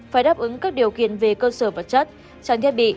phải đáp ứng các điều kiện về cơ sở vật chất trang thiết bị